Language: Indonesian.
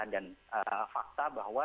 dan fakta bahwa